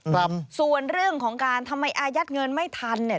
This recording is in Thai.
ครับส่วนเรื่องของการทำไมอายัดเงินไม่ทันเนี่ย